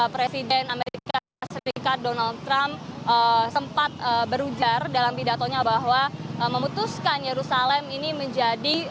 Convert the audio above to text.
presiden amerika serikat donald trump sempat berujar dalam pidatonya bahwa memutuskan yerusalem ini menjadi